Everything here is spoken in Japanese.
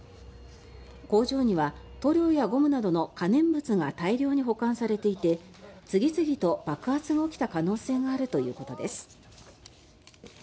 工場には塗料やゴムなどの可燃物が大量に保管されていて次々と爆発が起きた可能性があるということです。